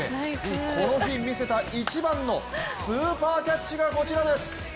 この日見せた一番のスーパーキャッチがこちらです。